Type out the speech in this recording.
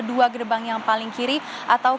dua gerbang yang paling kiri atau